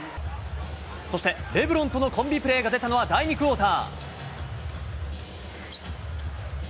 そして、レブロンとのコンビプレーが出たのは第２クオーター。